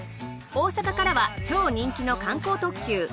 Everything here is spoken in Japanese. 大阪からは超人気の観光特急